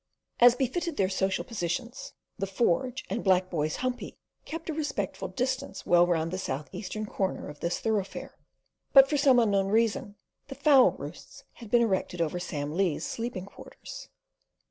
As befitted their social positions the forge and black boys' "humpy" kept a respectful distance well round the south eastern corner of this thoroughfare; but, for some unknown reason, the fowl roosts had been erected over Sam Lee's sleeping quarters.